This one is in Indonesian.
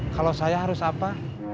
kalau saya harus apa